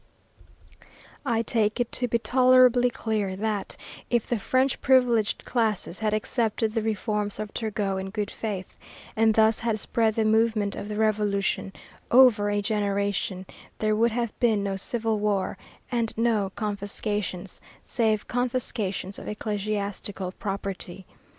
I take it to be tolerably clear that, if the French privileged classes had accepted the reforms of Turgot in good faith, and thus had spread the movement of the revolution over a generation, there would have been no civil war and no confiscations, save confiscations of ecclesiastical property.